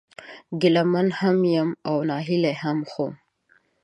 ګيله من هم يم او ناهيلی هم ، خو